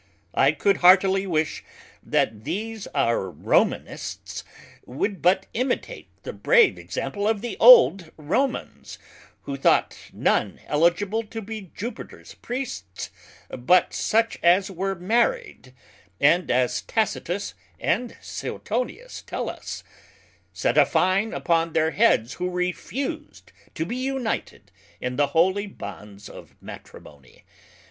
I could heartily wish that these our Romanists would but imitate the brave example of the old Romans, who thought none eligible to be Jupiters Priests but such as were Married; and (as Tacitus and Suetonius tell us) set a Fine upon their heads who refused to be united in the holy Bonds of Matrimony.